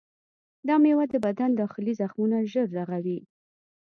دا میوه د بدن داخلي زخمونه ژر رغوي.